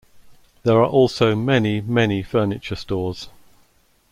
There are also many, many furniture stores.